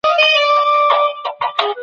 ساینسي تګلاره دقیقې پایلې ورکوي.